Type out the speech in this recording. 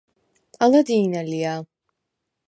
ალა დი̄ნა ლია?